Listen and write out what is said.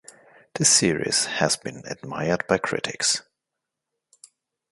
The series has been admired by critics.